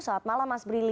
selamat malam mas brili